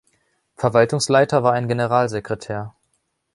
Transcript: Verwaltungsleiter war ein Generalsekretär.